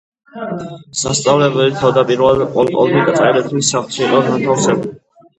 სასწავლებელი თავდაპირველად პოლკოვნიკ წერეთლის სახლში იყო განთავსებული.